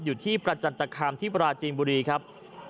อยู่ที่ประจันตคามที่ปราจีนบุรีครับ